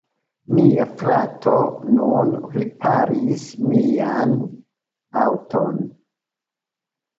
Mia frato nun riparis mian aŭton.